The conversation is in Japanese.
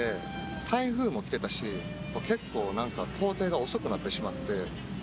台風も来てたし結構工程が遅くなってしまって。